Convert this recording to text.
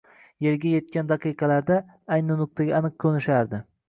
yerga yetgan daqiqada — ayni nuqtaga aniq qo‘nishardi.